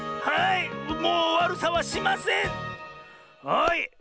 はい。